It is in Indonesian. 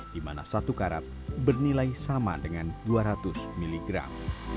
di mana satu karat bernilai sama dengan dua ratus miligram